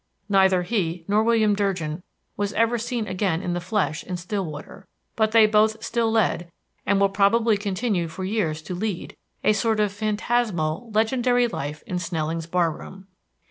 Neither he nor William Durgin was ever seen again in the flesh in Stillwater; but they both still led, and will probably continue for years to lead, a sort of phantasmal, legendary life in Snelling's bar room.